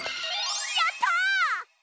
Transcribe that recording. やった！